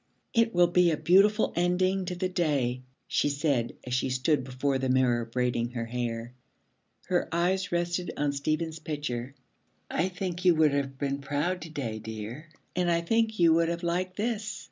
'It will be a beautiful ending to the day,' she said, as she stood before the mirror braiding her hair. Her eyes rested on Stephen's picture. 'I think you would have been proud to day, dear, and I think you would have liked this.'